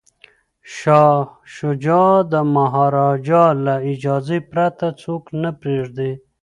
شاه شجاع د مهاراجا له اجازې پرته څوک نه پریږدي.